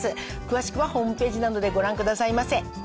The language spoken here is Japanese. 詳しくはホームページなどでご覧くださいませ。